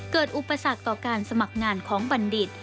อุปสรรคต่อการสมัครงานของบัณฑิต